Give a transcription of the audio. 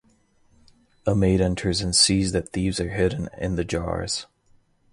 A maid enters and sees that thieves are hidden in the jars.